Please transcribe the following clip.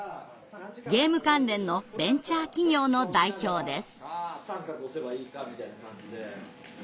ゲーム関連のベンチャー企業の代表です。